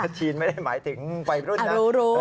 จีนไม่ได้หมายถึงวัยรุ่นนะ